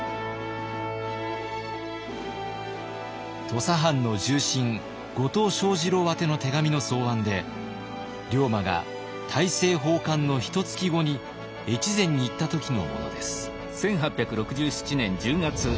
土佐藩の重臣後藤象二郎宛ての手紙の草案で龍馬が大政奉還のひとつき後に越前に行った時のものです。